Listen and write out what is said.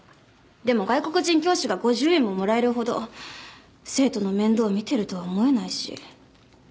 でも外国人教師が５０円ももらえるほど生徒の面倒を見てるとは思えないし。